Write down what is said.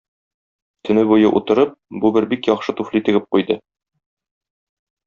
Төне буе утырып, бу бер бик яхшы туфли тегеп куйды.